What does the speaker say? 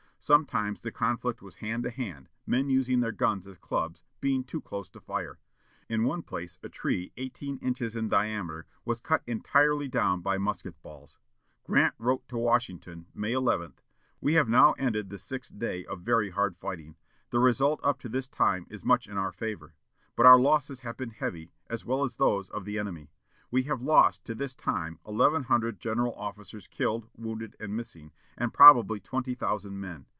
Sometimes the conflict was hand to hand, men using their guns as clubs, being too close to fire. In one place a tree, eighteen inches in diameter, was cut entirely down by musket balls. Grant wrote to Washington, May 11: "We have now ended the sixth day of very hard fighting. The result up to this time is much in our favor. But our losses have been heavy, as well as those of the enemy. We have lost to this time eleven general officers killed, wounded, and missing, and probably twenty thousand men.